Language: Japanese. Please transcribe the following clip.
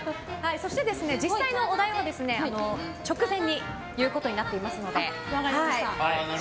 そして、実際のお題は直前に言うことになっています。